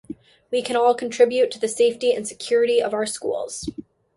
We can all contribute to the safety and security of our school.